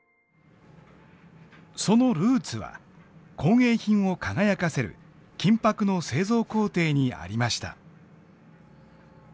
そのルーツは工芸品を輝かせる金箔の製造工程にありました。